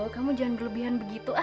kamu jangan berlebihan begitu